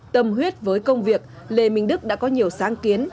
tâm huyết với công việc lê minh đức đã có nhiều sáng kiến